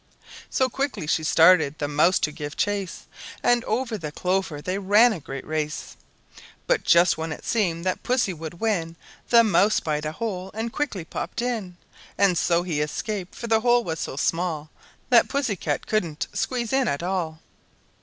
So quickly she started the mouse to give chase, And over the clover they ran a great race. But just when it seemed that Pussy would win, The mouse spied a hole and quickly popped in; And so he escaped, for the hole was so small That Pussy cat couldn't squeeze in it at all.